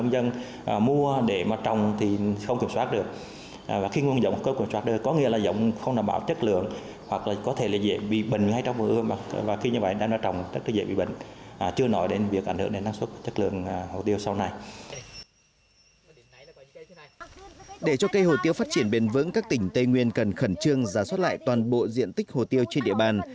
để cho cây hồ tiêu phát triển bền vững các tỉnh tây nguyên cần khẩn trương giá soát lại toàn bộ diện tích hồ tiêu trên địa bàn